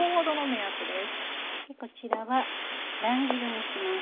こちらは乱切りにします。